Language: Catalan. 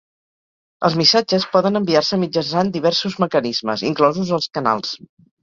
Els missatges poden enviar-se mitjançant diversos mecanismes, inclosos els canals.